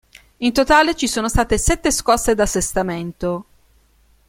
In totale ci sono state sette scosse d'assestamento.